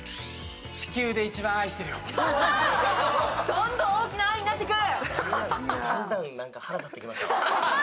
どんどん大きな愛になっていく！